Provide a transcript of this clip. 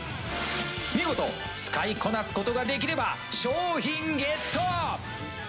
見事使いこなすことができれば商品ゲット！